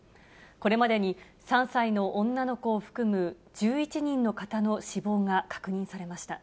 これまでに３歳の女の子を含む、１１人の方の死亡が確認されました。